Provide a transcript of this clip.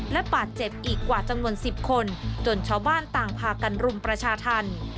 และบาดเจ็บอีกกว่าจำนวน๑๐คนจนชาวบ้านต่างพากันรุมประชาธรรม